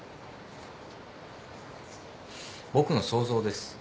僕の想像です。